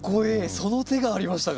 その手がありましたか。